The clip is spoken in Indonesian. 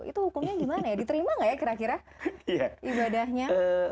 itu hukumnya gimana ya diterima nggak ya kira kira ibadahnya